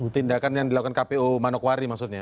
tindakan yang dilakukan kpu manokwari maksudnya ya